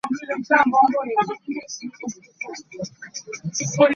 Gonzales is a member of the Association of Monterey Bay Area Governments.